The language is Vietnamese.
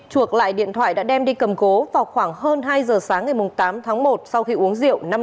chuộc lại điện thoại đã đem đi cầm cố vào khoảng hơn hai giờ sáng ngày tám tháng một sau khi uống rượu